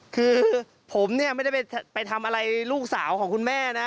คือผมเนี่ยไม่ได้ไปทำอะไรลูกสาวของคุณแม่นะ